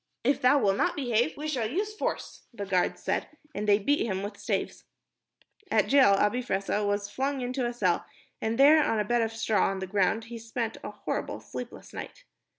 "If thou wilt not behave, we shall use force," the guards said, and they beat him with staves. At the jail, Abi Fressah was flung into a cell, and there, on a bed of straw on the ground, he spent a horrible, sleepless night.